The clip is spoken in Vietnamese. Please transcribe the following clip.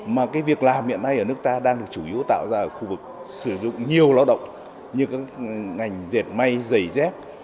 mà cái việc làm hiện nay ở nước ta đang được chủ yếu tạo ra ở khu vực sử dụng nhiều lao động như các ngành diệt may giày dép